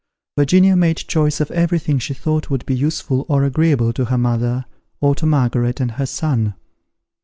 Virginia made choice of everything she thought would be useful or agreeable to her mother, or to Margaret and her son.